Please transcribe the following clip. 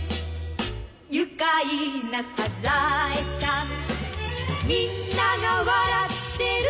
「愉快なサザエさん」「みんなが笑ってる」